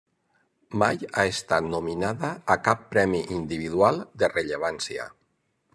Mai ha estat nominada a cap premi individual de rellevància.